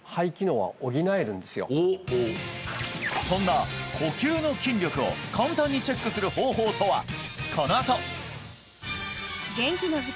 そんな呼吸の筋力を簡単にチェックする方法とは？